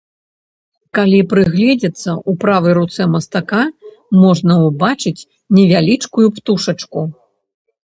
Калі прыгледзецца, у правай руцэ мастака можна ўбачыць невялічкую птушачку.